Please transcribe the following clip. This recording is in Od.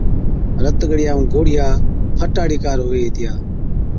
رت ڳڙِيا ائُُون گوڙهِيا فٽا هاڙِي ڪار هُوي هِتِيا۔